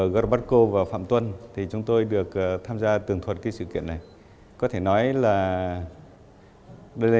gorbakov và phạm tuân thì chúng tôi được tham gia tường thuật cái sự kiện này có thể nói là đây là